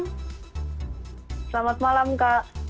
selamat malam kak